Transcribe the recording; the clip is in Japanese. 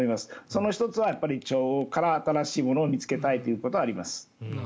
その１つは腸から新しいものを見つけたいということはあります。